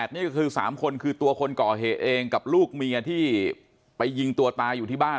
นี่ก็คือ๓คนคือตัวคนก่อเหตุเองกับลูกเมียที่ไปยิงตัวตายอยู่ที่บ้าน